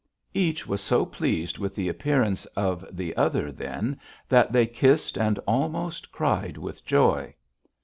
Each was so pleased with the appearance of the other then that they kissed and almost cried with joy.